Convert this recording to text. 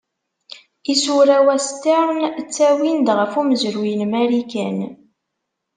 Isura western ttawin-d ɣef umezruy n Marikan.